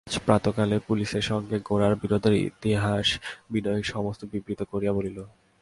আজ প্রাতঃকালে পুলিসের সঙ্গে গোরার বিরোধের ইতিহাস বিনয় সমস্ত বিবৃত করিয়া বলিল।